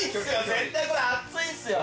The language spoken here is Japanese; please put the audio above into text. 絶対これ熱いっすよ